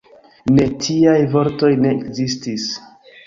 Ne, tiaj vortoj ne ekzistis!